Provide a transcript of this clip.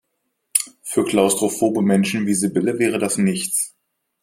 Für klaustrophobe Menschen wie Sibylle wäre das nichts.